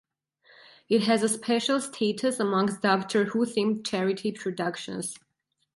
It has a special status amongst "Doctor Who"-themed charity productions.